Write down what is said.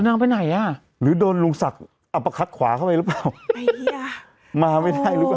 นรกติดหรือยังอะไรไง